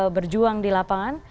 berjuang di lapangan